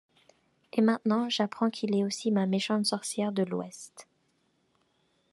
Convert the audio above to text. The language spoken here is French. Et maintenant j'apprends qu'il est aussi ma méchante sorcière de l'ouest.